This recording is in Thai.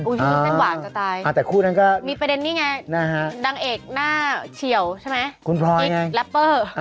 อุ้ยคุณอุ้นเส้นหวานกว่าตายมีประเด็นนี่ไงดังเอกหน้าเฉียวใช่ไหมอีกรัปเปอร์คุณพลอยไง